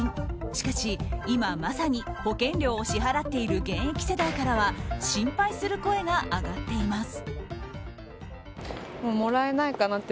しかし今、まさに保険料を支払っている現役世代からは心配する声が上がっています。